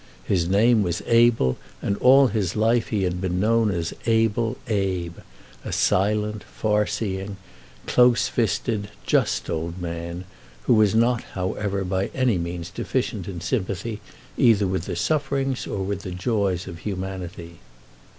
His name was Abel, and all his life he had been known as able Abe; a silent, far seeing, close fisted, just old man, who was not, however, by any means deficient in sympathy either with the sufferings or with the joys of humanity.